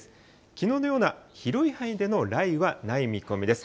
きのうのような広い範囲での雷雨はない見込みです。